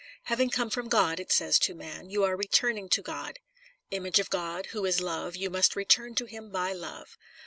" Having come from God," it says to man, "you are returning to God. Image of God, who is love, you must return to him by love.